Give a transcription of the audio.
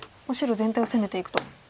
もう白全体を攻めていくと。